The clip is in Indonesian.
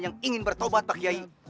yang ingin bertobat pak kiai